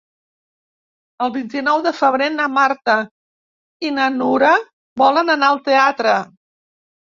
El vint-i-nou de febrer na Marta i na Nura volen anar al teatre.